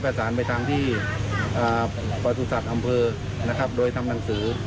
ประสุทธิ์อำเภอโดยทำหนังสือ